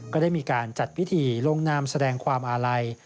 ก็ได้มีการจัดพิธีลงนามแสดงความอาลัย